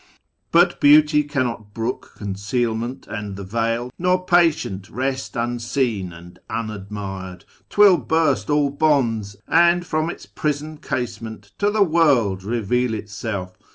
But Beauty cannot brook Concealment and the veil, nor patient rest Unseen and unadmired : 'twill burst all bonds, And from Its prison casement to the world Keveal Itself.